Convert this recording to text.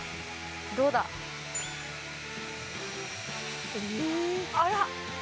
どうだえ！